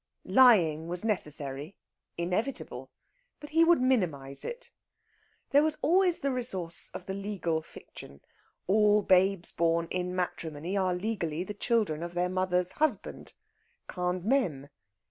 Lying was necessary inevitable. But he would minimise it. There was always the resource of the legal fiction; all babes born in matrimony are legally the children of their mother's husband, quand même.